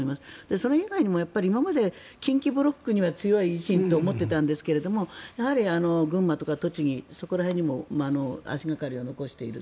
それ以外にも近畿ブロックには強い維新と思っていたんですが群馬とか栃木そこら辺にも足掛かりを残している。